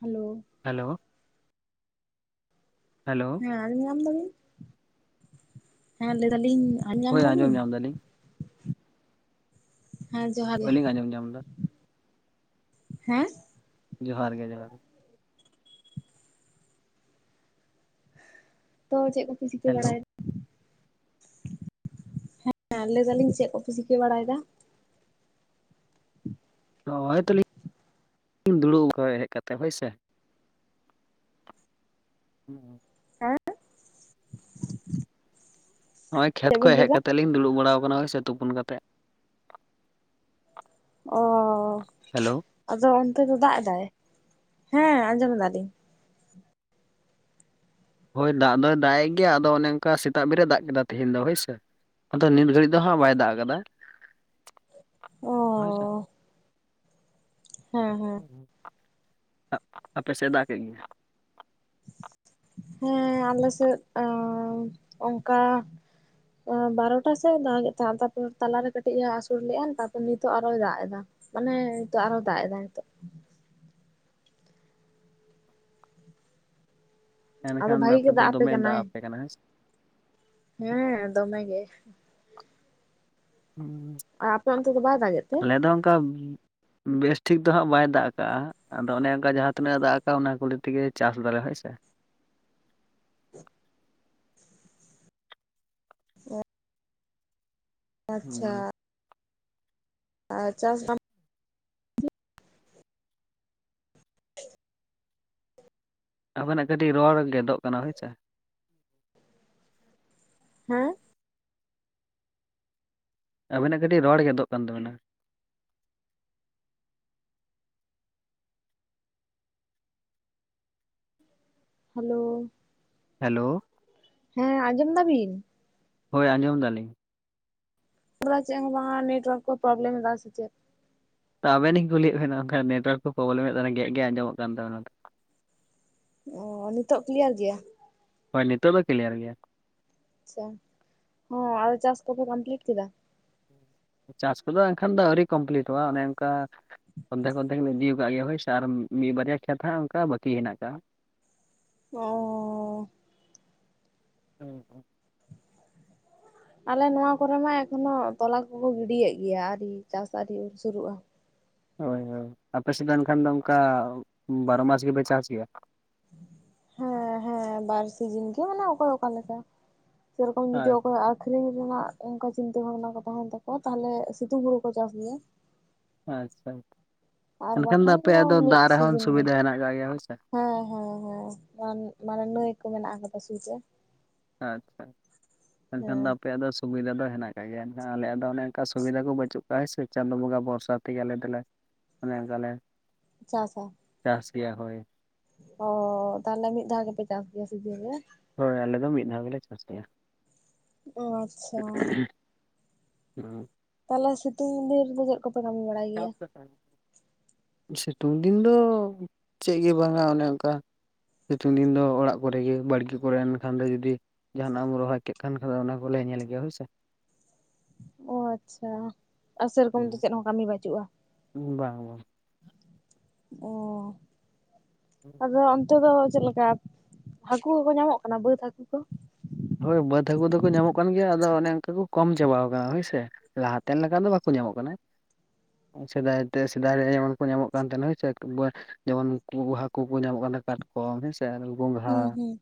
Hello. Hello, hello. ᱦᱮᱸ ᱧᱟᱢ ᱫᱟᱞᱤᱱ? ᱦᱮᱸ ᱞᱟᱹᱭ ᱫᱟᱞᱤᱧᱼᱼ ᱦᱳᱭ ᱟᱸᱡᱚᱢ ᱧᱟᱢ ᱮᱫᱟᱞᱤᱧ᱾ ᱦᱮᱸ ᱡᱚᱦᱟᱨ ᱜᱮ ᱵᱟᱹᱞᱤᱧ ᱟᱸᱡᱚᱢ ᱧᱟᱢ ᱮᱫᱟ᱾ ᱦᱮᱸ᱾ ᱡᱚᱦᱟᱨ ᱜᱮ, ᱡᱚᱦᱟᱨ ᱜᱮ᱾ ᱛᱚ ᱪᱮᱫ ᱠᱚᱯᱮ ᱪᱤᱠᱟᱹ ᱦᱮᱞᱳ ᱵᱟᱲᱟᱭ ᱫᱟ᱾ ᱦᱮᱸ ᱞᱟᱹᱭ ᱮᱫᱟᱞᱤᱧ ᱪᱮᱫ ᱠᱚᱯᱮ ᱪᱤᱠᱟᱹ ᱵᱟᱲᱟᱭᱮᱫᱟ? ᱱᱚᱜ -ᱚᱭ ᱛᱚᱞᱤᱧ ᱫᱩᱲᱩᱵ ᱟᱠᱟᱱ ᱦᱮᱡ ᱠᱟᱛᱮ, ᱦᱳᱭ ᱥᱮ᱾ ᱦᱩᱸ ᱦᱩᱸ᱾ ᱦᱮᱸ᱾ ᱱᱚᱜ-ᱚᱭ ᱠᱷᱮᱛ ᱪᱮᱫ ᱵᱤᱱ ᱠᱷᱚᱱ ᱞᱟᱹᱭ ᱦᱮᱡ ᱮᱫᱟ ᱠᱟᱛᱮ ᱞᱤᱧ ᱫᱩᱲᱩᱵ ᱵᱟᱲᱟ ᱟᱠᱟᱱᱟ᱾ ᱥᱮ ᱛᱩᱯᱩᱱ ᱠᱟᱛᱮᱜ᱾ ᱚᱻ ᱦᱮᱞᱳ᱾ ᱟᱫᱚ ᱚᱱᱛᱮ ᱫᱚ ᱫᱟᱜ ᱮᱫᱟᱭ᱾ ᱦᱮᱸ ᱟᱸᱡᱚᱢ ᱮᱫᱟᱞᱤᱧ᱾ ᱦᱳᱭ ᱫᱟᱜ ᱫᱚᱭ ᱫᱟᱜ ᱮ ᱜᱮᱭᱟ ᱾ ᱟᱫᱚ ᱚᱱᱮ ᱚᱱᱠᱟ ᱥᱮᱛᱟᱜ ᱵᱮᱨᱟ ᱫᱟᱜ ᱠᱮᱫᱟᱭ ᱛᱮᱦᱮᱧ ᱫᱚ ᱦᱳᱭ ᱥᱮ᱾ ᱟᱫᱚ ᱱᱤᱛ ᱜᱷᱟᱹᱲᱤᱡ ᱫᱚ ᱦᱟᱸᱜ ᱵᱟᱭ ᱫᱟᱜ ᱟᱠᱟᱫᱟ᱾ ᱚ ᱦᱳᱭ ᱥᱮ᱾ ᱦᱮᱸ ᱦᱮᱸ ᱟᱯᱮ ᱥᱮᱫ ᱫᱟᱜ ᱠᱮᱜ ᱜᱮᱭᱟ? ᱦᱮᱸ ᱟᱞᱮ ᱥᱮᱫᱻ ᱚᱝᱠᱟ᱾ ᱵᱟᱨᱚᱴᱟ ᱥᱮᱫ ᱮ ᱫᱟᱜ ᱮᱫ ᱛᱟᱦᱮᱸ ᱟ᱾ ᱛᱟᱯᱚᱨ ᱛᱟᱞᱟᱨᱮ ᱠᱟᱹᱴᱤᱡ ᱮ ᱟᱥᱳᱲ ᱞᱮᱫᱼᱟ, ᱛᱟᱨᱯᱚᱨ ᱱᱤᱛᱚᱜ ᱟᱨ ᱦᱚᱭ ᱫᱟᱜ ᱮᱫᱟ᱾ ᱚᱱᱮ ᱱᱤᱛᱚᱜ ᱟᱨ ᱦᱚᱸᱭ ᱫᱟᱜ ᱮᱫᱟᱭ ᱱᱤᱛᱚᱜ᱾ ᱟᱫᱚ ᱮᱱᱠᱷᱟᱱ ᱫᱚ ᱵᱷᱟᱜᱮ ᱜᱮ ᱫᱚ ᱫᱟᱜ ᱟᱯᱮ ᱫᱚᱢᱮ ᱠᱟᱱᱟᱭ᱾ ᱟᱯᱮ ᱠᱟᱱᱟ ᱦᱮᱸ ᱥᱮ ᱦᱮᱸ ᱫᱚᱢᱮ ᱜᱮ᱾ ᱦᱩᱸ, ᱟᱨ ᱟᱯᱮ ᱚᱱᱛᱮ ᱫᱚ ᱵᱟᱭ ᱫᱟᱜᱮᱫ ᱛᱮ? ᱟᱞᱮ ᱫᱚ ᱚᱱᱠᱟᱼᱼ ᱵᱮᱥᱴᱷᱤᱠ ᱫᱚ ᱦᱟᱹᱜ ᱵᱟᱭ ᱫᱟᱜ ᱟᱠᱟᱜᱼᱟ᱾ ᱟᱫᱚ ᱚᱱᱮ ᱚᱱᱠᱟ ᱡᱟᱦᱟᱸ ᱛᱤᱱᱟᱹᱜ ᱫᱟᱜ ᱟᱠᱟᱫ᱾ ᱚᱱᱟ ᱠᱩᱞᱦᱤ ᱛᱮᱜᱮ ᱪᱟᱥ ᱫᱟᱞᱮ ᱦᱳᱭ ᱥᱮ᱾ ᱟᱪᱪᱷᱟ᱾ ᱟᱨ ᱪᱟᱥ ᱫᱟᱢᱼᱼ ᱟᱵᱤᱱᱟᱜ ᱠᱟᱹᱴᱤᱡ ᱨᱚᱲ ᱜᱮᱫᱚᱜ ᱠᱟᱱᱟ ᱦᱳᱭ ᱥᱮ᱾ ᱦᱮᱸ᱾ ᱟᱵᱤᱱᱟᱜ ᱠᱟᱹᱴᱤᱡ ᱨᱚᱲ ᱜᱮᱫᱚᱜ ᱠᱟᱱ ᱛᱟᱵᱮᱱᱟ᱾ ᱦᱮᱞᱳ᱾ ᱦᱮᱞᱳ᱾ ᱦᱮᱸ ᱟᱸᱡᱚᱢ ᱫᱟ ᱵᱤᱱ? ᱦᱳᱭ ᱟᱸᱡᱚᱢ ᱫᱟᱞᱤᱧ᱾ ᱯᱩᱨᱟ ᱪᱮᱫ ᱦᱚᱸ ᱵᱟᱝ ᱟ᱾ ᱱᱮᱴᱟ ᱳᱨᱟᱠᱥ ᱠᱚ ᱯᱨᱚᱵᱮᱞᱮᱢ ᱮᱫᱟ ᱥᱮ ᱪᱮᱫ᱾ ᱛᱟᱵᱮᱱ ᱤᱧ ᱠᱩᱞᱤᱭᱮᱫ ᱵᱮᱱᱟ ᱚᱱᱠᱟ ᱱᱮᱴᱣᱟᱨᱠ ᱠᱚ ᱯᱚᱵᱞᱮᱢ ᱮᱫ ᱫᱚ ᱾ ᱚᱱᱟ ᱜᱮᱠ ᱜᱮᱠ ᱟᱸᱡᱚᱢᱚᱜ ᱠᱟᱱ ᱛᱟᱵᱮᱱᱟ ᱛᱚ᱾ ᱚ, ᱱᱤᱛᱚᱜ ᱠᱤᱞᱭᱟᱨ ᱜᱮᱭᱟ? ᱦᱚᱭ ᱱᱤᱛᱚᱜ ᱫᱚ ᱠᱤᱞᱭᱟᱨ ᱜᱮᱭᱟ᱾ ᱟᱪᱪᱷᱟ, ᱦᱚᱸ ᱟᱫᱚ ᱪᱟᱥ ᱠᱚᱯᱮ ᱠᱚᱢᱯᱤᱞᱤᱴ ᱠᱮᱫᱟ᱾ ᱪᱟᱥ ᱠᱚᱫᱚ ᱮᱱᱠᱷᱟᱱ ᱫᱚ ᱟᱹᱣᱨᱤ ᱠᱚᱢᱯᱞᱤᱴᱚᱜᱼᱟ᱾ ᱚᱱᱮ ᱚᱱᱠᱟᱼᱼ ᱚᱫᱷᱮᱠ ᱚᱫᱷᱮᱠ ᱮᱧ ᱤᱫᱤ ᱠᱟᱜ ᱜᱮᱭᱟ ᱦᱳᱭ ᱥᱮ᱾ ᱟᱨ ᱢᱤᱫ ᱵᱟᱨᱭᱟ ᱠᱷᱮᱛ ᱦᱟᱸᱜ, ᱚᱱᱠᱟ ᱵᱟᱹᱠᱤ ᱦᱮᱱᱟᱜ ᱠᱟᱜᱼᱟ᱾ [inaudible] ᱚᱻ [inaudible] [unintelligible] ᱟᱞᱮ ᱱᱚᱣᱟ ᱠᱚ ᱨᱮ ᱢᱟ ᱮᱠᱷᱚᱱᱚ ᱛᱚᱞᱟ ᱠᱚ ᱠᱚ ᱜᱤᱰᱤᱭᱮᱜ ᱜᱮᱭᱟ᱾ ᱟᱹᱣᱨᱤ ᱪᱟᱥ ᱟᱹᱣᱨᱤ ᱥᱩᱨᱩᱜᱼᱟ᱾ ᱦᱚᱭ, ᱦᱚᱭ ᱟᱯᱮ ᱥᱮᱫ ᱮᱱᱠᱷᱟᱱ ᱫᱚ ᱱᱚᱝᱠᱟ ᱵᱟᱨᱚ ᱢᱟᱥ ᱜᱮ ᱯᱮ ᱪᱟᱥ ᱜᱮᱭᱟ? ᱦᱮᱸ ᱦᱮᱸ ᱵᱟᱨ ᱥᱤᱡᱤᱱ ᱜᱮ ᱢᱟᱱᱮ ᱚᱠᱚᱭ ᱚᱠᱟ ᱞᱮᱠᱟ, ᱥᱮ ᱨᱚᱠᱚᱢ ᱟᱪᱪᱷᱟ ᱡᱩᱫᱤ ᱚᱠᱚᱭ ᱟᱹᱠᱷᱨᱤᱧ ᱨᱮᱱᱟᱜ ᱚᱱᱠᱟ ᱪᱤᱱᱛᱟᱹ ᱵᱷᱟᱵᱽᱱᱟ ᱠᱚ ᱛᱟᱦᱮᱱ ᱛᱟᱠᱚᱣ-ᱟ᱾ ᱛᱟᱦᱚᱞᱮ ᱥᱤᱛᱩᱝ ᱦᱩᱲᱩ ᱠᱚ ᱪᱟᱥ ᱜᱮᱭᱟ᱾ ᱟᱪᱪᱷᱟ ᱟᱨ ᱮᱱᱠᱷᱟᱱ ᱫᱚ ᱵᱟᱠᱷᱟᱱ ᱟᱯᱮᱭᱟᱜ ᱫᱚ ᱢᱤᱫ ᱫᱟᱜ ᱨᱮ ᱦᱚᱸ ᱥᱤᱡᱤᱱ ᱜᱮ᱾ ᱥᱩᱵᱤᱫᱽᱷᱟ ᱦᱮᱱᱟᱸᱜ ᱟᱠᱟᱜ ᱜᱮᱭᱟ ᱾ ᱦᱚᱭ ᱥᱮ ᱦᱮᱸ, ᱦᱮᱸ, ᱦᱮᱸ ᱢᱟᱱᱮ ᱱᱟᱹᱭ ᱠᱚ ᱢᱮᱱᱟᱜ ᱟᱠᱟᱫᱟ ᱥᱩᱨ ᱨᱮ᱾ ᱟᱪᱪᱷᱟ, ᱮᱱᱠᱷᱟᱱ ᱫᱚ, ᱦᱮᱸ ᱟᱯᱮ ᱭᱟᱜ ᱫᱚ ᱥᱩᱵᱤᱫᱽᱷᱟ ᱫᱚ ᱦᱮᱱᱟᱜ ᱚᱱᱠᱟ ᱜᱮᱭ-ᱟ ᱱᱟᱦᱟᱜ ᱟᱮᱭᱟᱜ ᱫᱚ, ᱚᱱᱮ ᱚᱱᱠᱟ ᱥᱩᱵᱤᱫᱽᱷᱟ ᱠᱚ ᱵᱟᱹᱪᱩᱜ ᱯᱨᱟᱭ ᱥᱮ ᱪᱟᱸᱫᱚ ᱵᱚᱸᱜᱟ ᱵᱷᱚᱨᱥᱟ ᱛᱮ ᱜᱮ ᱟᱞᱮ ᱫᱚ ᱞᱮ, ᱚᱱᱮ ᱚᱱᱠᱟ ᱞᱮ ᱪᱟᱥᱟ ᱪᱟᱥ ᱜᱮᱭᱟ ᱦᱚᱭ᱾ ᱚᱻ ᱛᱟᱦᱚᱞᱮ ᱢᱤᱫ ᱫᱷᱽᱟᱣ ᱜᱮ ᱯᱮ ᱪᱟᱥ ᱜᱮᱭᱟ ᱥᱤᱡᱤᱱ ᱨᱮ? ᱦᱚᱭ ᱟᱞᱮ ᱫᱚ ᱢᱤᱫ ᱫᱷᱽᱟᱣ ᱜᱮ ᱞᱮ ᱪᱟᱥ ᱜᱮᱭᱟ ᱚ ᱟᱪᱪᱷᱟ ᱾ ᱦᱩᱸ ᱛᱟᱦᱚᱞᱮ ᱥᱤᱛᱩᱝ ᱫᱤᱱ ᱨᱮ ᱫᱚ ᱪᱮᱫ ᱠᱚ ᱠᱟᱢᱤ ᱵᱟᱲᱟᱭ ᱜᱮᱭᱟ [unintelligible] ᱥᱤᱛᱩᱝ ᱫᱤᱱ ᱫᱚ ᱪᱮᱫ ᱜᱮ ᱵᱟᱝᱟ ᱚᱱᱮ ᱚᱱᱠᱟ᱾ ᱥᱤᱛᱩᱝ ᱫᱤᱱ ᱫᱚ ᱚᱲᱟᱜ ᱠᱚᱨ, ᱮ ᱜᱮ ᱵᱟᱲᱜᱤ ᱠᱚ ᱨᱮ ᱮᱱᱠᱷᱟᱱ ᱫᱚ ᱡᱩᱫᱤ ᱡᱟᱦᱟᱸ ᱱᱟᱜ ᱮᱢ ᱨᱚᱦᱚᱭ ᱠᱮᱫ ᱠᱷᱟᱱ, ᱚᱱᱟ ᱠᱚ ᱞᱮ ᱧᱮᱞ ᱜᱮᱭᱟ ᱦᱚᱭ ᱥᱮ᱾ ᱚ ᱟᱪᱪᱷᱟ ᱟᱨ ᱥᱮ ᱨᱚᱠᱚᱢ ᱫᱚ ᱪᱮᱫ ᱦᱚᱸ ᱠᱟᱹᱢᱤ ᱵᱟᱹᱪᱩᱜᱼᱟ᱾ ᱵᱟᱝ ᱵᱟᱝ ᱚᱸ [inaudible] ᱟᱫᱚ ᱚᱱᱛᱮ ᱫᱚ ᱪᱮᱫ ᱞᱮᱠᱟ᱾ ᱦᱟᱹᱠᱩ ᱠᱚ ᱠᱚ ᱧᱟᱢᱚᱜ ᱠᱟᱱᱟ᱾ ᱵᱟᱹᱫᱽ ᱦᱟᱹᱠᱩ ᱠᱚ? ᱦᱚᱭ ᱵᱟᱹᱫᱽ ᱦᱟᱹᱠᱩ ᱫᱚ ᱠᱚ ᱧᱟᱢᱚᱜ ᱠᱟᱱ ᱜᱮᱭᱟ᱾ ᱟᱫᱚ ᱚᱱᱮ ᱚᱱᱠᱟ ᱠᱚ ᱠᱚᱢ ᱪᱟᱵᱟᱣ ᱟᱠᱟᱱᱟ ᱦᱚᱭ ᱥᱮ᱾ ᱞᱟᱦᱟ ᱛᱮᱱ ᱞᱮᱠᱟ ᱫᱚ, ᱵᱟᱠᱚ ᱧᱟᱢᱚᱜ ᱠᱟᱱᱟ᱾ ᱥᱮᱫᱟᱭ ᱛᱮ ᱥᱮᱫᱟᱭ ᱨᱮ ᱮᱢᱚᱱ ᱠᱚ ᱧᱟᱢᱚᱜ ᱠᱟᱱ ᱛᱟᱦᱮᱱᱟ ᱾ᱦᱚᱭ ᱥᱮ ᱡᱮᱢᱚ ᱱᱩᱠᱩ ᱦᱟᱹᱠᱩ ᱠᱚ ᱧᱟᱢᱚᱜ ᱠᱟᱱᱟ᱾ ᱠᱟᱴᱠᱚᱢ ᱦᱮ ᱸᱥᱮ ᱵᱚᱝᱜᱽᱷᱟ ᱦᱩᱸ ᱦᱩᱸ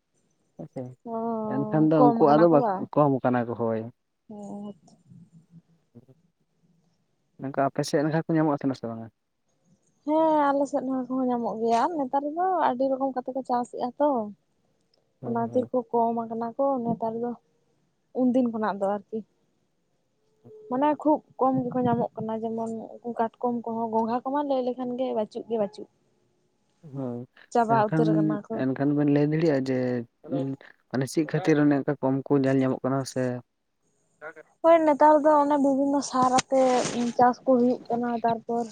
ᱦᱮᱸ ᱥᱮ ᱚ ᱮᱱᱠᱷᱟᱱ ᱫᱚ ᱠᱚᱢ ᱩᱱᱠᱩᱣᱟ-ᱜ ᱠᱟᱱᱟ ᱟᱫᱚ ᱠᱚ ᱵᱟ ᱵᱟᱝ ᱠᱚᱢ ᱠᱟᱱᱟ ᱠᱚ ᱦᱚᱭ᱾ ᱱᱚᱝᱠᱟ ᱟᱯᱮ ᱥᱮᱫ ᱞᱮᱠᱟ ᱠᱚ ᱧᱟᱢᱚᱜ ᱥᱮ ᱵᱟᱝ? ᱦᱮᱸ ᱟᱞᱮ ᱥᱮᱫ ᱱᱚᱣᱟ ᱠᱚ ᱦᱚᱸ ᱧᱟᱢᱚᱜ ᱜᱮᱭᱟ ᱾ ᱱᱮᱛᱟᱨ ᱫᱚ ᱟᱹᱰᱤ ᱨᱚᱠᱚᱢ ᱠᱟᱛᱮ ᱠᱚ ᱪᱟᱥᱮᱫᱼᱟ ᱛᱚ᱾ ᱦᱳᱭ ᱦᱳᱭ ᱚᱱᱟᱛᱮᱠᱚ ᱠᱚᱢ ᱠᱟᱱᱟ ᱠᱚ, ᱱᱮᱛᱟᱨ ᱫᱚ ᱩᱱᱫᱤᱱ ᱠᱷᱚᱱᱟᱜ ᱫᱚ ᱟᱨᱠᱤ ᱢᱟᱱᱮ ᱠᱷᱩᱵ ᱠᱚᱢ ᱜᱮ ᱠᱚ ᱧᱟᱢᱚᱜ ᱠᱟᱱᱟ ᱾ ᱡᱮᱢᱚᱱ ᱩᱱᱠᱩ ᱠᱟᱴᱠᱚᱢ ᱠᱚᱼᱦᱚᱸ ᱜᱚᱸᱝᱷᱽᱟ ᱠᱚᱢᱟ ᱞᱟᱹᱭ ᱞᱮ ᱠᱷᱟᱱ ᱜᱮ ᱵᱟᱹᱪᱩᱜ ᱜᱮ, ᱵᱟᱹᱪᱩᱜ ᱦᱚᱭ ᱪᱟᱵᱟ ᱢᱮᱱ ᱩᱛᱟᱹᱨ ᱟᱠᱟᱱᱟ ᱠᱚ ᱠᱷᱟᱱ᱾ ᱠᱷᱟᱱ ᱵᱮᱱ ᱞᱟᱹᱭ ᱫᱟᱲᱮᱭᱟᱜᱼᱟ ᱾ᱡᱮ ᱢᱟᱱᱮ ᱪᱮᱫ ᱠᱷᱟᱹᱛᱤᱨ ᱚᱱᱮ ᱚᱱᱠᱟ ᱠᱚᱢ ᱠᱚ ᱧᱮᱞ ᱧᱟᱢᱚᱜ ᱠᱟᱱᱟ? ᱥᱮ ᱦᱳᱭ ᱱᱮᱛᱟᱨ ᱫᱚ, ᱚᱱᱮ ᱵᱤᱵᱷᱤᱱᱚ ᱥᱟᱨ ᱟᱛᱮ ᱪᱟᱥ ᱠᱚ ᱦᱩᱭᱩᱜ ᱟᱱᱟ ᱛᱟᱨᱯᱚᱨ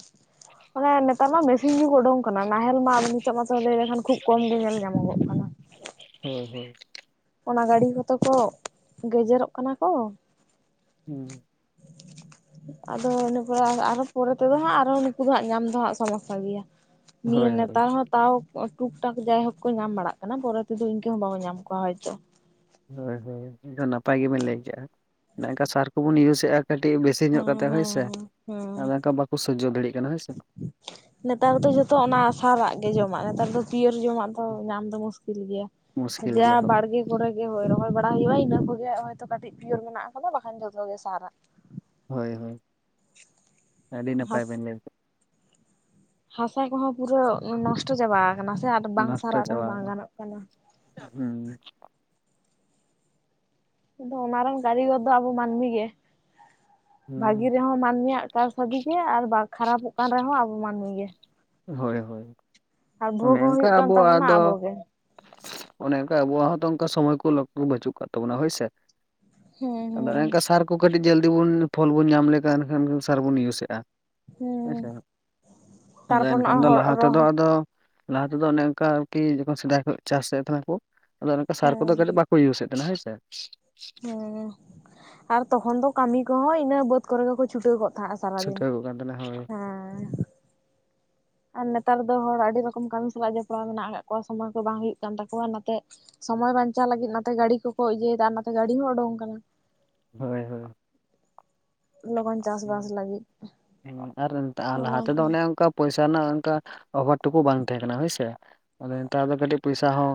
ᱚᱱᱮ ᱱᱮᱛᱟᱨ ᱢᱟ ᱢᱮᱥᱤᱱ ᱡᱩᱜ ᱩᱰᱩᱝ ᱠᱟᱱᱟ ᱱᱟᱦᱮᱞ ᱢᱟ ᱱᱤᱛᱚᱜ ᱢᱟᱛᱚ ᱞᱟᱹᱭ ᱞᱮᱠᱷᱟᱱ ᱠᱷᱩᱵ ᱠᱚᱢ ᱜᱮ ᱧᱮᱞ ᱧᱟᱢᱚᱜ ᱠᱟᱱᱟ᱾ ᱦᱮᱸ ᱦᱩᱸ ᱚᱱᱟ ᱜᱟᱹᱲᱤᱡ ᱦᱚᱛᱚ ᱠᱚ ᱜᱮᱡᱮᱨᱚ-ᱜ ᱠᱟᱱᱟ ᱠᱚ᱾ ᱦᱩᱸ ᱟᱫᱚ ᱤᱱᱟᱹ ᱯᱚᱨᱮ ᱟᱨᱚ ᱯᱚᱨᱮ ᱛᱮᱫᱚ ᱦᱟᱸᱜ ᱟᱨᱦᱚᱸ ᱱᱩᱠᱩ ᱫᱚ ᱦᱟᱸᱜ ᱧᱟᱢ ᱫᱚ ᱦᱟᱸᱜ ᱥᱚᱢᱚᱥᱥᱟ ᱜᱮᱭᱟ ᱱᱤᱭᱟᱹ ᱦᱳᱭ ᱱᱮᱛᱟᱨ ᱦᱚᱸ ᱛᱟᱣ ᱴᱩᱠ ᱴᱟᱠ ᱡᱟᱭ ᱦᱳᱠ ᱠᱚ ᱧᱟᱢ ᱵᱟᱲᱟᱜ ᱠᱟᱱᱟ ᱯᱚᱨᱮ ᱛᱮᱫᱚ ᱤᱱᱠᱟᱹ ᱦᱚᱸ ᱵᱟᱵᱚ ᱧᱟᱢ ᱠᱚᱣᱟ ᱦᱚᱭᱛᱚ, ᱦᱳᱭ ᱦᱳᱭ ᱮᱱᱠᱷᱟᱱ ᱱᱟᱯᱟᱭ ᱜᱮᱵᱮᱱ ᱞᱟᱹᱭ ᱠᱮᱜᱼᱟ ᱚᱱᱮ ᱚᱱᱠᱟ ᱥᱟᱨ ᱠᱚᱵᱚᱱ ᱤᱭᱩᱥ ᱮᱜᱼᱟ᱾ ᱠᱟᱹᱴᱤᱡ ᱵᱮᱥᱤ ᱧᱚᱜ ᱦᱮᱸ ᱠᱟᱛᱮ ᱦᱳᱭ ᱥᱮ ᱦᱮᱸ ᱦᱮᱸ ᱟᱫᱚ ᱚᱱᱠᱟ ᱵᱟᱠᱚ ᱥᱚᱡᱡᱚ ᱫᱟᱲᱮᱭᱟᱜ ᱠᱟᱱᱟ ᱦᱳᱭ ᱥᱮ, ᱱᱮᱛᱟᱨ ᱫᱚ ᱡᱚᱛᱚ ᱚᱱᱟ ᱥᱟᱨᱟᱜ ᱜᱮ ᱡᱚᱢᱟᱜ ᱱᱮᱛᱟᱨ ᱫᱚ ᱯᱤᱭᱟᱹᱨ ᱡᱚᱢᱟᱜ ᱫᱚ ᱛᱚ ᱧᱟᱢ ᱫᱚ ᱢᱩᱥᱠᱤᱞ ᱜᱮᱭᱟ ᱢᱩᱥᱠᱤᱞ ᱡᱟ ᱜᱮᱭᱟ ᱦᱳᱭ ᱵᱟᱲᱜᱮ, ᱠᱚᱨᱮ ᱜᱮ ᱦᱳᱭ ᱨᱚᱦᱚᱭ ᱵᱟᱲᱟ ᱦᱩᱭᱩᱜ-ᱟ ᱤᱱᱟᱹ ᱠᱚᱜᱮ ᱠᱟᱹᱴᱤᱡ ᱯᱤᱭᱳᱨ ᱢᱮᱱᱟᱜ ᱠᱟᱫᱟ ᱵᱟᱠᱷᱟᱱ ᱡᱷᱚᱛᱚ ᱜᱮ ᱥᱟᱨᱟᱜ, ᱦᱳᱭ ᱦᱳᱭ ᱟᱹᱰᱤ ᱱᱟᱯᱟᱭ ᱦᱟᱥ ᱵᱮᱱ ᱞᱟᱹᱭ ᱠᱮᱜ ᱦᱟᱥᱟ ᱠᱚᱦᱚᱸ ᱯᱩᱨᱟᱹ ᱱᱚᱥᱴᱚ ᱪᱟᱵᱟ ᱟᱠᱟᱱᱟ ᱥᱮ ᱟᱨ ᱵᱟᱝ ᱱᱚᱥᱴᱚ ᱥᱟᱨᱟᱜ ᱨᱮᱦᱚᱸ ᱪᱟᱵᱟ ᱵᱟᱝ ᱟᱠᱟᱱᱟ ᱜᱟᱱᱚᱜ ᱠᱟᱱᱟ᱾ ᱦᱩᱸ᱾ ᱠᱤᱱᱛᱩ ᱚᱱᱟ ᱨᱮᱱ ᱠᱟᱹᱨᱤᱜᱚᱨ ᱫᱚ ᱟᱵᱚ ᱢᱟᱹᱱᱢᱤ ᱜᱮ ᱵᱷᱟᱹᱜᱤ ᱦᱩᱸ ᱨᱮᱦᱚᱸ ᱢᱟᱹᱱᱢᱤᱭᱟᱜ ᱠᱟᱨᱥᱟᱫᱤ ᱜᱮ ᱟᱨ ᱠᱷᱟᱨᱟᱯᱚᱜ ᱠᱟᱱ ᱨᱮᱦᱚᱸ ᱟᱵᱚ ᱢᱟᱹᱱᱢᱤ ᱜᱮ, ᱦᱳᱭ ᱦᱳᱭ ᱟᱨ ᱚᱱᱮ ᱵᱷᱳᱜᱽ ᱦᱚᱸ ᱚᱱᱠᱟ ᱦᱩᱭᱩᱜ ᱠᱟᱱ ᱟᱵᱚᱣᱟᱜ ᱛᱟᱵᱚᱱᱟ ᱫᱚ ᱟᱵᱚᱜᱮ ᱚᱱᱮ ᱚᱱᱠᱟ ᱟᱵᱚᱣᱟᱜ ᱦᱚᱸᱛᱚ ᱚᱱᱠᱟ ᱥᱚᱢᱚᱭ ᱠᱚ ᱞᱚᱠ ᱵᱟᱹᱪᱩᱜ ᱠᱟᱜ ᱛᱟᱵᱚᱱᱟ ᱦᱳᱭᱥᱮ, ᱦᱮᱸ ᱟᱫᱚ ᱦᱮᱸ ᱮᱝᱠᱟ ᱥᱟᱨ ᱠᱚ ᱠᱟᱹᱴᱤᱡ ᱡᱚᱞᱫᱤ ᱵᱚᱱ ᱯᱷᱚᱞ ᱵᱚᱱ ᱧᱟᱢ ᱞᱮᱠᱷᱟᱱ ᱮᱱᱠᱷᱟᱱ ᱥᱟᱨ ᱵᱚᱱ ᱤᱭᱩᱡ ᱮᱜᱼᱟ᱾ ᱦᱮᱸ [unintelligible] ᱟᱫᱚ ᱛᱟᱨᱯᱚᱨ ᱮᱱᱠᱷᱟᱱ ᱱᱚᱜᱼᱚᱭ ᱫᱚ ᱦᱚᱲ ᱞᱟᱦᱟ ᱛᱮᱫᱚ ᱨᱚᱦᱚ ᱟᱫᱚ ᱞᱟᱦᱟ ᱛᱮᱫᱚ ᱚᱱᱮ ᱚᱱᱠᱟ ᱟᱨᱠᱤ ᱡᱚᱠᱷᱚᱱ ᱥᱮᱫᱟᱭ ᱠᱷᱚᱱ ᱪᱟᱥᱮᱫ ᱛᱟᱦᱮᱱ ᱟᱠᱚ ᱟᱫᱚ ᱚᱱᱠᱟ ᱥᱟᱨ ᱠᱚᱫᱚ ᱦᱮᱸ ᱠᱟᱹᱴᱤᱡ ᱵᱟᱠᱚ ᱤᱭᱩᱥ‌ ᱮᱫ ᱛᱟᱦᱮᱱᱟ ᱦᱮᱸ ᱥᱮ᱾ ᱦᱮᱸ ᱟᱨ ᱛᱚᱠᱷᱚᱱ ᱫᱚ ᱠᱟᱹᱢᱤ ᱠᱚᱦᱚᱸ ᱤᱱᱟᱹ ᱵᱟᱹᱫᱽ ᱠᱚᱨᱮ ᱜᱮᱠᱚ ᱪᱷᱩᱴᱟᱹᱣ ᱜᱚᱫ ᱟ ᱥᱟᱨᱟ ᱫᱤᱱ ᱪᱷᱩᱴᱟᱹᱣ ᱠᱚᱜ ᱠᱟᱱ ᱛᱟᱦᱮᱱᱟ ᱦᱳᱭ ᱦᱮᱸ, ᱟᱨ ᱱᱮᱛᱟᱨ ᱫᱚ ᱦᱚᱲ ᱟᱹᱰᱤ ᱨᱚᱠᱚᱢ ᱠᱟᱹᱢᱤ ᱥᱟᱞᱟᱜ ᱡᱚᱯᱲᱟᱣ ᱢᱮᱱᱟᱜ ᱟᱠᱟᱫ ᱠᱚᱣᱟ ᱥᱚᱢᱚᱭ ᱠᱚ ᱵᱟᱝ ᱦᱩᱭᱩᱜ ᱠᱟᱱ ᱛᱟᱠᱚᱣᱟ ᱱᱚᱛᱮ, ᱥᱚᱢᱚᱭ ᱵᱟᱧᱪᱟᱣ ᱞᱟᱹᱜᱤᱫ ᱱᱟᱛᱮ ᱜᱟᱹᱲᱤ ᱠᱚᱠᱚ ᱤᱭᱟᱹᱭ ᱮᱫᱟ ᱟᱨ ᱱᱟᱛᱮ ᱜᱟᱹᱰᱤ ᱦᱚᱸ ᱩᱰᱩᱝ ᱠᱟᱱᱟ᱾ ᱦᱮᱸ ᱦᱮᱸ᱾ ᱞᱚᱜᱚᱱ ᱪᱟᱥᱵᱟᱥ ᱞᱟᱹᱜᱤᱫ ᱦᱮᱸ ᱟᱨ ᱮᱱᱛᱮ ᱞᱟᱦᱟ ᱚᱱᱟ ᱛᱮᱫᱚ ᱦᱮᱸ ᱚᱱᱮ ᱚᱱᱠᱟ ᱯᱚᱭᱥᱟ ᱨᱮᱱᱟᱜ ᱚᱱᱠᱟ ᱚᱵᱷᱟᱵ ᱴᱩᱠᱩ ᱵᱟᱝ ᱛᱟᱦᱮᱸ ᱠᱟᱱᱟ ᱦᱳᱭ ᱥᱮ, ᱟᱫᱚ ᱱᱮᱛᱟᱨ ᱫᱚ ᱠᱟᱹᱴᱤᱡ ᱯᱚᱭᱥᱟ ᱦᱚᱸ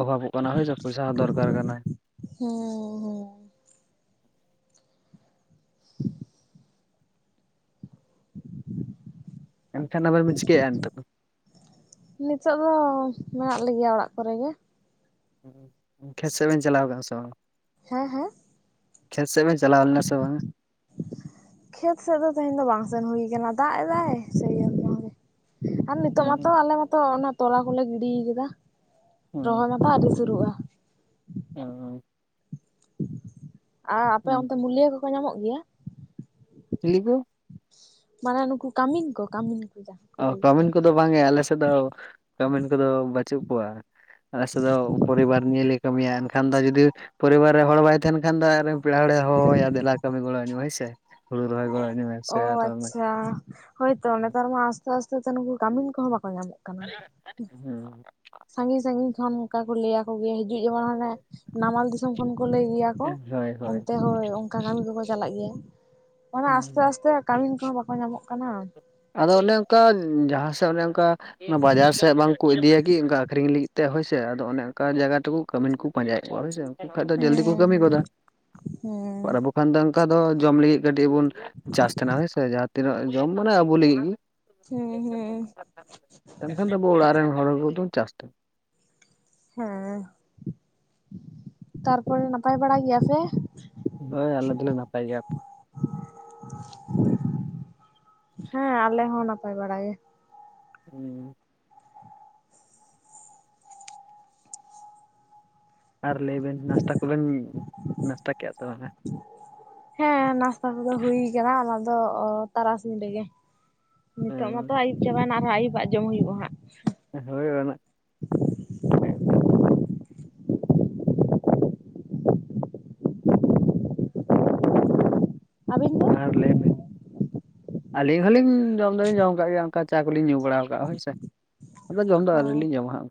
ᱚᱵᱷᱟᱵᱚᱜ ᱠᱟᱱᱟ ᱦᱳᱭ ᱥᱮ ᱯᱚᱭᱥᱟ ᱦᱚᱸ ᱫᱚᱨᱠᱟᱨ ᱠᱟᱱᱟ᱾ ᱦᱮᱸ ᱦᱮᱸ᱾ ᱮᱱᱠᱷᱟᱱ ᱟᱵᱤᱱ ᱵᱤᱱ ᱪᱤᱠᱟᱹᱭ ᱮᱜᱼᱟ ᱱᱤᱛᱚᱜ ᱫᱚ? ᱱᱤᱛᱚᱜ ᱫᱚ ᱢᱮᱱᱟᱜ ᱞᱮᱜᱮᱭᱟ ᱚᱲᱟᱜ ᱠᱚᱨᱮ ᱜᱮ, ᱠᱷᱮᱛ ᱥᱮᱫ ᱵᱮᱱ ᱪᱟᱞᱟᱣ ᱟᱠᱟᱱᱟ ᱥᱮ ᱵᱟᱝ? ᱦᱮᱸ ᱦᱮᱸ, ᱠᱷᱮᱛ ᱥᱮᱫ ᱵᱮᱱ ᱪᱟᱞᱟᱣ ᱞᱮᱱᱟ ᱥᱮ ᱵᱟᱝ? ᱠᱷᱮᱛ ᱥᱮᱫ ᱫᱚ ᱛᱮᱦᱮᱧ ᱫᱚ ᱵᱟᱝ ᱥᱮᱱ ᱦᱩᱭ ᱠᱟᱱᱟ ᱫᱟᱜ ᱮᱫᱟᱭ ᱥᱮᱭ ᱡᱚᱱᱱᱚ ᱜᱮ᱾ ᱟᱨ ᱱᱤᱛᱚᱜ ᱢᱟᱛᱚ ᱟᱞᱮ ᱢᱟᱛᱚ ᱚᱱᱟ ᱛᱚᱞᱟ ᱠᱚᱞᱮ ᱜᱤᱲᱤ ᱠᱟᱫᱟ᱾ ᱨᱚᱦᱚᱭ ᱢᱟᱛᱚ ᱟᱹᱣᱨᱤ ᱥᱩᱨᱩᱜᱼᱟ᱾ ᱚᱸ ᱟᱨ ᱟᱯᱮᱭ ᱚᱱᱛᱮ ᱢᱩᱞᱭᱟᱹ ᱠᱚ ᱠᱚ ᱧᱟᱢᱚᱜ ᱜᱮᱭᱟ? ᱪᱤᱞᱤ ᱠᱚ? ᱢᱟᱱᱮ ᱱᱩᱠᱩ ᱠᱟᱹᱢᱤᱱ ᱠᱚ ᱠᱟᱹᱢᱤᱱ ᱠᱚ ᱡᱟᱦᱟᱸ ᱾ ᱚ ᱠᱟᱹᱢᱤᱱ ᱠᱚ ᱫᱚ ᱵᱟᱝ ᱮ ᱟᱞᱮ ᱥᱮᱫ ᱫᱚ ᱠᱟᱹᱢᱤᱱ ᱠᱚᱫᱚ ᱵᱟᱹᱪᱩᱜ ᱠᱚᱣᱟ᱾ ᱟᱞᱥᱮᱫ ᱫᱚ ᱯᱚᱨᱤᱵᱟᱨ ᱱᱤᱭᱮ ᱞᱮ ᱠᱟᱹᱢᱤᱭᱟ ᱮᱱᱠᱷᱟᱱ ᱫᱚ ᱡᱩᱫᱤ ᱯᱚᱨᱤᱵᱟᱨ ᱨᱮ ᱦᱚᱲ ᱵᱟᱭ ᱛᱟᱦᱮᱱ ᱠᱷᱟᱱ ᱫᱚ ᱟᱨ, ᱯᱮᱲᱟ ᱦᱚᱲ ᱮ ᱦᱚᱦᱚ ᱟᱭᱟ ᱫᱮᱞᱟ ᱠᱟᱹᱢᱤ ᱜᱚᱲᱚ ᱟᱹᱧ ᱢᱮ ᱦᱳᱭ ᱥᱮ ᱦᱩᱲᱩ ᱨᱚᱦᱚᱭ ᱜᱚᱲ ᱟᱹᱧ ᱢᱮ᱾ ᱚ ᱥᱮ ᱟᱨ ᱟᱪᱪᱷᱟ ᱦᱳᱭ ᱛᱚ ᱦᱩᱸ ᱱᱮᱛᱟᱨ ᱢᱟ ᱟᱥᱛᱮ ᱟᱥᱛᱮ ᱛᱮ ᱱᱩᱠᱩ ᱠᱟᱹᱢᱤᱱ ᱠᱚᱦᱚᱸ ᱵᱟᱠᱚ ᱧᱟᱢᱚᱜ ᱠᱟᱱᱟ [inaudible] ᱥᱟᱺᱜᱤᱧ ᱥᱟᱺᱜᱤᱧ ᱠᱷᱚᱱ ᱚᱱᱠᱟ ᱠᱚ ᱞᱟᱹᱭ ᱟᱠᱚ ᱜᱮᱭᱟ ᱦᱤᱡᱩᱜ ᱡᱮᱢᱚᱱ ᱦᱟᱱᱮ ᱱᱟᱢᱟᱞ ᱫᱤᱥᱚᱢ ᱠᱷᱚᱱ ᱠᱚ ᱞᱟᱹᱭ ᱜᱮᱭᱟ᱾ ᱚᱱᱛᱮ ᱦᱳᱭ ᱚᱱᱠᱟ ᱠᱟᱹᱢᱤ ᱠᱚᱠᱚ ᱪᱟᱞᱟᱜ ᱜᱮᱭᱟ ᱚᱱᱟ ᱦᱩᱸ ᱟᱥᱛᱮ ᱠᱟᱹᱢᱤᱱ ᱠᱚ ᱦᱚᱸ ᱵᱟᱠᱚ ᱧᱟᱢᱚᱜ ᱠᱟᱱᱟ᱾ ᱟᱫᱚ ᱚᱱᱮ ᱚᱱᱠᱟ ᱡᱟᱦᱟᱸ ᱥᱮᱫ ᱚᱱᱮ ᱚᱱᱠᱟ ᱵᱟᱡᱟᱨ ᱥᱮᱫ ᱵᱟᱝ ᱠᱚ ᱤᱫᱤ ᱭᱟᱠᱤ ᱚᱱᱠᱟ ᱟᱹᱷᱨᱤᱧ ᱞᱟᱜᱤᱫ ᱛᱮ ᱦᱳᱭᱥᱮ ᱟᱫᱚ ᱚᱱᱮ ᱚᱱᱠᱟ ᱡᱟᱭᱜᱟ [inaudible] ᱠᱟᱹᱢᱤᱱ ᱠᱚ ᱯᱟᱸᱡᱟᱭᱮᱫ ᱠᱚᱣᱟ ᱦᱳᱭᱥᱮ ᱠᱷᱟᱡ ᱫᱚ ᱡᱚᱞᱫᱤ ᱠᱚ ᱦᱩᱸ ᱠᱟᱹᱢᱤ ᱠᱚᱫᱟ, ᱦᱩᱸ ᱟᱨ ᱟᱵᱚ ᱮᱠᱷᱟᱱ ᱫᱚ ᱚᱱᱠᱟ ᱫᱚ ᱡᱚᱢ ᱞᱟᱹᱜᱤᱫ ᱠᱟᱹᱴᱤᱡ ᱵᱚᱱ ᱪᱟᱥ ᱛᱟᱦᱮᱱᱟ ᱦᱮᱸᱥᱮ ᱡᱟᱦᱟᱸ ᱛᱤᱱᱟᱹᱜ ᱡᱚᱢ ᱢᱟᱱᱮ ᱟᱵᱚ ᱞᱟᱹᱜᱤᱫ ᱜᱮ ᱦᱩᱸ ᱦᱩᱸ ᱦᱩ ᱢᱮᱱᱠᱷᱟᱱ ᱫᱚ ᱟᱵᱚ ᱚᱲᱟᱜ ᱨᱮᱱ ᱦᱚᱲ ᱠᱚᱫᱚ ᱪᱟᱥ ᱦᱮᱸ ᱛᱟᱨᱯᱚᱨᱮ ᱱᱟᱯᱟᱭ ᱵᱟᱲᱟ ᱜᱮᱭᱟ ᱯᱮ? ᱦᱳᱭ ᱟᱞᱮ ᱫᱚᱞᱮ ᱱᱟᱯᱟᱭ ᱜᱮᱭᱟ ᱾ [inaudible] ᱦᱮᱸ ᱟᱞᱮ ᱦᱚᱸ ᱱᱟᱯᱟᱭ ᱵᱟᱲᱟ ᱜᱮ᱾ ᱦᱩᱸ ᱟᱨ ᱞᱟᱹᱭ ᱵᱮᱱ ᱱᱟᱥᱛᱟ ᱠᱚᱵᱮᱱ ᱱᱟᱥᱛᱟ ᱠᱮᱜᱼᱟ ᱥᱮ ᱵᱟᱝᱟ? ᱦᱮᱸ ᱱᱟᱥᱛᱟ ᱠᱚᱫᱚ ᱦᱩ ᱠᱟᱱᱟ ᱚᱱᱟ ᱫᱚ ᱛᱟᱨᱟᱥᱤᱧ ᱨᱮᱜᱮ, ᱱᱤᱛᱳᱜ ᱢᱟᱛᱚ ᱟᱹᱭᱩᱵ ᱪᱟᱵᱟᱭᱱᱟ ᱟᱨᱦᱚᱸ ᱟᱹ ᱟᱭᱩᱵᱟᱜ ᱡᱚᱢ ᱦᱩᱭᱩᱜᱼᱟ ᱦᱟᱸᱜ, ᱦᱳᱭ ᱚᱱᱟ [unintelligible] ᱟᱵᱤᱱ ᱟᱨ ᱞᱟᱹᱭ ᱵᱤᱱ ᱟᱹᱞᱤᱧ ᱦᱚᱸᱞᱤᱧ ᱡᱚᱢ ᱫᱚᱞᱤᱧ ᱡᱚᱢ ᱟᱠᱟᱟᱜ ᱜᱮᱭᱟ ᱚᱱᱠᱟ ᱪᱟ ᱠᱚᱞᱤᱧ ᱧᱩ ᱵᱟᱲᱟ ᱟᱠᱟᱫᱼᱟ ᱦᱳᱭ ᱥᱮ, ᱟᱫᱚ ᱡᱚᱢ ᱫᱚ ᱟᱹᱣᱨᱤ ᱚ ᱞᱤᱧ ᱡᱚᱢᱟ ᱦᱟᱸᱜ,